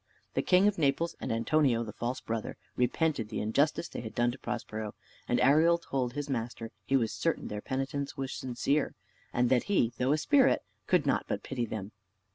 The king of Naples, and Antonio the false brother, repented the injustice they had done to Prospero: and Ariel told his master he was certain their penitence was sincere, and that he, though a spirit, could not but pity them.